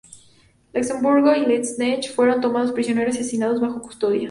Luxemburgo y Liebknecht fueron tomados prisioneros y asesinados bajo custodia.